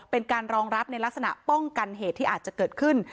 เป็นการรองรับในลักษณะป้องกันเหตุที่อาจจะเกิดขึ้น